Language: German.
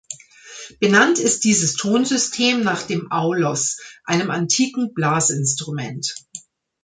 Benannt ist dieses Tonsystem nach dem Aulos, einem antiken Blasinstrument.